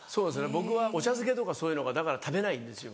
僕はお茶漬けとかそういうのがだから食べないんですよ